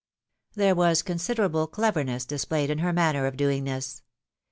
There was considerable cleverness displayed in her manner of doing this.